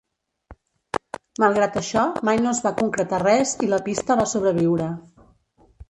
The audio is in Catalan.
Malgrat això mai no es va concretar res i la pista va sobreviure.